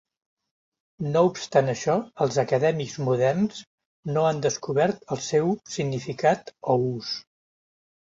No obstant això, els acadèmics moderns no han descobert el seu significat o ús.